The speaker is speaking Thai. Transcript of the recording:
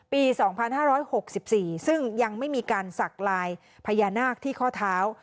ปี๒๕๖๔ซึ่งยังไม่มีการสักลายพญานาคที่ข้อเท้า